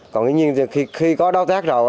còn khi có đối tác rồi